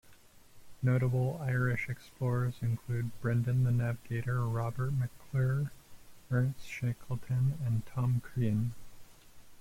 Notable Irish explorers include Brendan the Navigator, Robert McClure, Ernest Shackleton and Tom Crean.